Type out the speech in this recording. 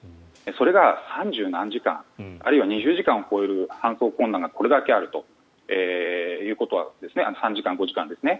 それが３０何時間あるいは２０時間を超える搬送困難がこれだけあるということは３時間、５時間ですね。